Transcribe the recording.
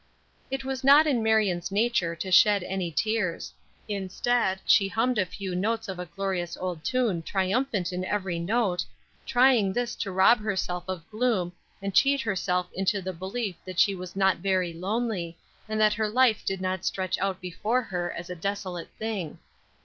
It was not in Marion's nature to shed any tears; instead, she hummed a few notes of a glorious old tune triumphant in every note, trying this to rob herself of gloom and cheat herself into the belief that she was not very lonely, and that her life did not stretch out before her as a desolate thing.